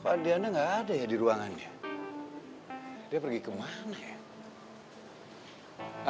adianya enggak ada ya di ruangannya dia pergi ke mana ya